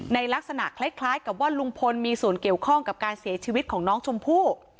ในลักษณะคล้ายกับว่าลุงพลมีส่วนเกี่ยวข้องกับการเสียชีวิตของน้องชมพู่